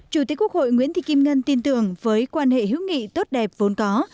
chủ tịch quốc hội nguyễn thị kim ngân tin tưởng với quan hệ hữu nghị tốt đẹp vốn có